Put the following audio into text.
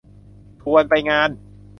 ชวนไปงาน